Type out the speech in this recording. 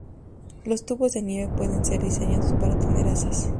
Los tubos de nieve pueden ser diseñados para tener asas.